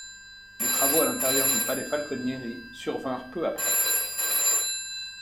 Les travaux à l’intérieur du palais Falconieri survinrent peu après.